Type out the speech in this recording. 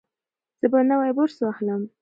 زه به نوی برس واخلم.